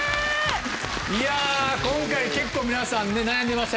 いや今回結構皆さんね悩んでましたけど。